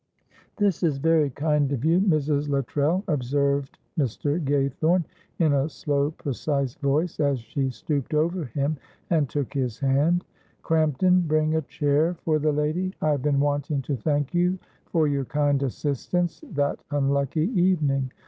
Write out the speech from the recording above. "This is very kind of you, Mrs. Luttrell," observed Mr. Gaythorne, in a slow, precise voice, as she stooped over him and took his hand. "Crampton, bring a chair for the lady. I have been wanting to thank you for your kind assistance that unlucky evening.